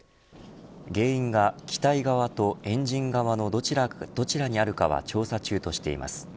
原因が機体側とエンジン側のどちらにあるかは調査中としています。